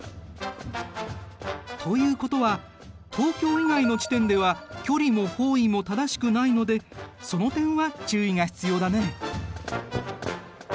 ということは東京以外の地点では距離も方位も正しくないのでその点は注意が必要だね。